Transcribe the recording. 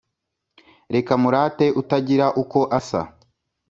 reka murate utagira uko asa